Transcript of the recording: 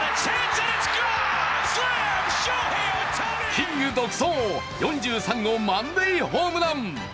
キング独走、４３号満塁ホームラン。